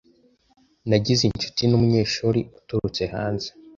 Nagize inshuti numunyeshuri uturutse hanze.